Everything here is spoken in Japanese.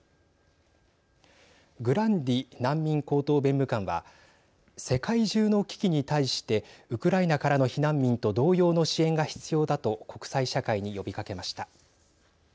グランディ難民高等弁務官は世界中の危機に対してウクライナからの避難民と同様の支援が必要だと国際社会に呼びかけました。